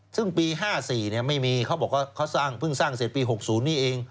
ซึ่งปี๕๔ไม่มีเขาบอกว่าเขาสร้างเพิ่งสร้างเสร็จปี๖๐นี้เอง